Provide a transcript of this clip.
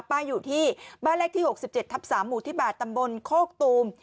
ป้าอยู่ที่บ้านแรกที่๖๗ทัพ๓หมู่ทิบาทตำบลโคกตูม